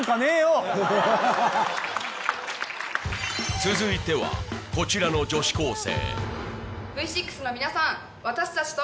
続いては、こちらの女子高生。